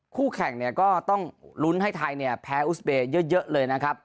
คู่แข่งเนี่ยก็ต้องลุ้นให้ไทยเนี่ยแพ้อุสเบย์เยอะเลยนะครับ